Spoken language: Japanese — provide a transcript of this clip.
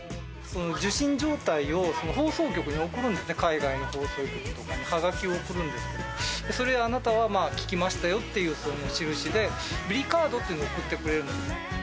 受信状態を放送局に送るんですね、海外の放送局とかに、はがきを送るんですけど、それ、あなたは聴きましたよっていう印で、ベリカードっていうのを送ってくれるんですよ。